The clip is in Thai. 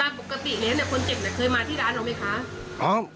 ตามปกติเนี้ยเนี้ยคนเจ็บเนี้ยเคยมาที่ร้านเราไหมคะอ๋อ